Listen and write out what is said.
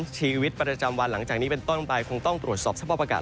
ชีวิตประจำวันหลังจากนี้เป็นต้นไปคงต้องตรวจสอบสภาพอากาศ